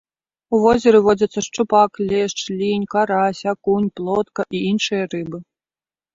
У возеры водзяцца шчупак, лешч, лінь, карась, акунь, плотка і іншыя рыбы.